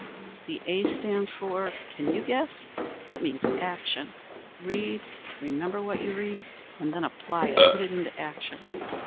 The A stands for, can you guess? It means Action. Read, remember what you read, and then apply it, put it into action.